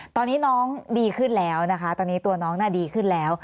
ตอนนี้น้องดีขึ้นแล้วนะคะตอนนี้ตัวน้องดีขึ้นแล้ว